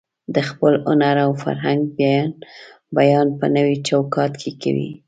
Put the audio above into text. د خپل هنر او فرهنګ بیان په نوي چوکاټ کې کوي.